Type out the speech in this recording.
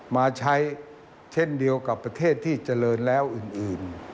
มาใช้เช่นเดียวกับประเทศที่เจริญแล้วอื่น